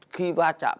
khi ba chạm